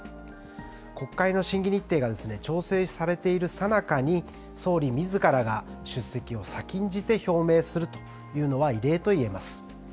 国会の審議日程が調整されているさなかに、総理みずからが出席を先んじて表明するというのは異例といえます。